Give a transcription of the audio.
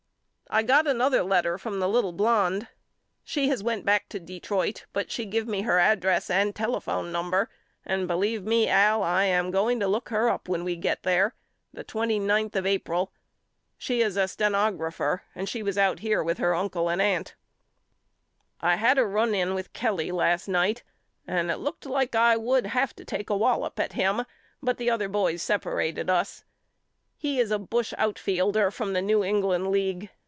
I got another letter from the little blonde. She has went back to Detroit but she give me her ad dress and telephone number and believe me Al I am going to look her up when we get there the twenty ninth of April. She is a stenographer and was out here with her uncle and aunt. 26 YOU KNOW ME AL I had a run in with Kelly last night and it looked like I would have to take a wallop at him but the other boys seperated us. He is a bush outfielder from the New England League.